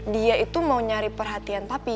dia itu mau nyari perhatian tapi